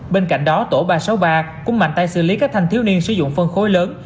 bên cạnh đó tổ ba trăm sáu mươi ba cũng mạnh tay xử lý các thanh thiếu niên sử dụng phân khối lớn